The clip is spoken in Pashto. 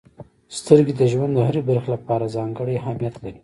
•سترګې د ژوند د هرې برخې لپاره ځانګړې اهمیت لري.